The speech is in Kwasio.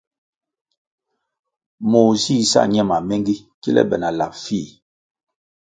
Moh zih sa ñe mamengi kile be lap fih.